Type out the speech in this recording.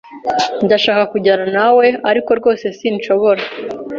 Ndashaka kujyana nawe, ariko rwose sinshobora.